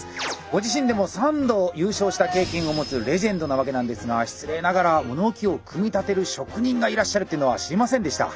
ご自身でも３度優勝した経験を持つレジェンドなわけなんですが失礼ながら物置を組み立てる職人がいらっしゃるっていうのは知りませんでした。